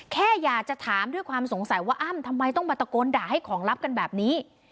แค่อยากจะถามด้วยความสงสัยว่าอ้ำทำไมต้องมาตะโกนด่าให้ของลับกันแบบนี้